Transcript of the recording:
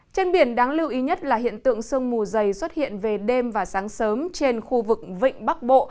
trên biển đáng lưu ý nhất là hiện tượng sương mù dày xuất hiện về đêm và sáng sớm trên khu vực vịnh bắc bộ